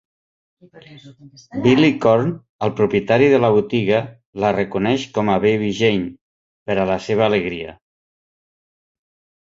Billy Korn, el propietari de la botiga, la reconeix com a Baby Jane, per a la seva alegria.